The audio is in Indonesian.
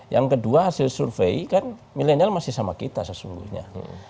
yang kedua hasil survei kan milenial masih sama kita sesungguhnya